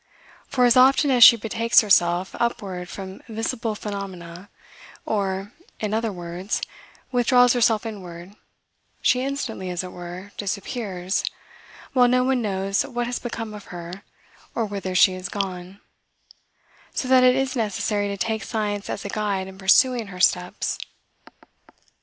"For as often as she betakes herself upward from visible phenomena, or, in other words, withdraws herself inward, she instantly, as it were, disappears, while no one knows what has become of her, or whither she is gone; so that it is necessary to take science as a guide in pursuing her steps."